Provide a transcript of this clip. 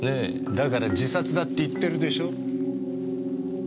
だから自殺だって言ってるでしょ。